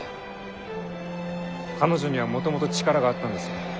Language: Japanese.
彼女にはもともと力があったんですよ。